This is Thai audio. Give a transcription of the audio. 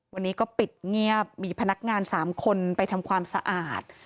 วันนี้ก็ปิดเงียบมีพนักงาน๓คนไปทำความสะอาด